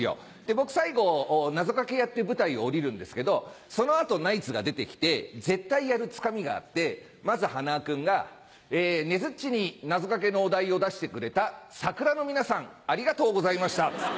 僕最後謎掛けやって舞台を降りるんですけどその後ナイツが出てきて絶対やるつかみがあってまず塙君が「ねづっちに謎掛けのお題を出してくれたサクラの皆さんありがとうございました」。